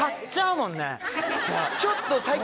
ちょっと。